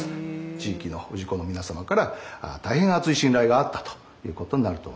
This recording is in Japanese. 地域の氏子の皆様から大変厚い信頼があったということになると思います。